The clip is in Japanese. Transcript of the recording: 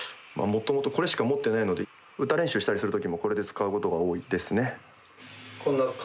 もともとこれしか持ってないので歌練習したりする時もこれで使うことが多いですね。